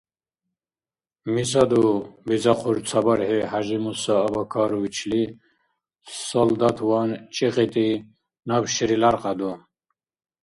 — Мисаду, — бизахъур ца бархӀи ХӀяжимуса Абакаровичли, солдатван чӀикьитӀи, — наб шери ляркьяду?